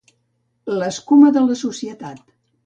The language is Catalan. L'escuma de la societat